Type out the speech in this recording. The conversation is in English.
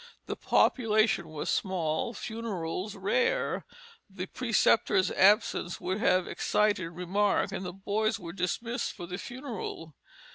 The population was small, funerals rare; the preceptor's absence would have excited remark and the boys were dismissed for the funeral....